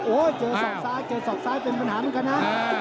โอ้ยเจอศอกซ้ายเป็นปัญหากันนะ